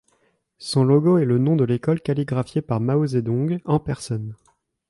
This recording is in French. Son logo est le nom de l'école calligraphié par Mao Zedong en personne.